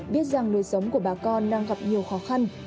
biết rằng nuôi sống của bà con đang gặp nhiều khó khăn